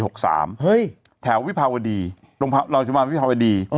เฮ้ยแถววิภาวดีรองชุมันวิภาวดี